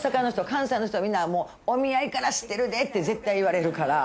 関西の人はみんなお見合いから知ってるでって絶対言われるから。